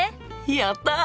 やった！